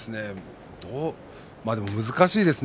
まあ、でも難しいですね。